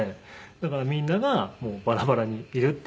だからみんながバラバラにいるっていう。